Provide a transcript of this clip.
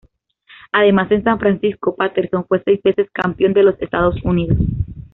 Además, en San Francisco, Patterson fue seis veces Campeón de los Estados Unidos.